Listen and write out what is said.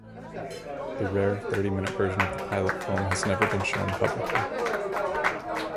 The rare thirty-minute version of the pilot film has never been shown publicly.